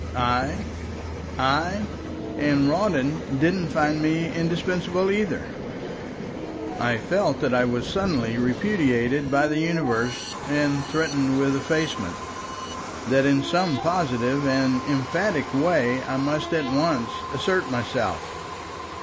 I! I! And Rawdon didn't find me indispensable either. I felt I was suddenly repudiated by the universe and threatened with effacement, that in some positive and emphatic way I must at once assert myself.